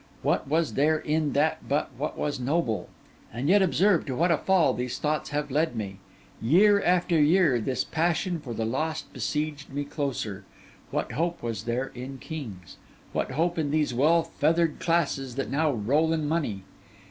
What was there in that but what was noble? and yet observe to what a fall these thoughts have led me! Year after year this passion for the lost besieged me closer. What hope was there in kings? what hope in these well feathered classes that now roll in money?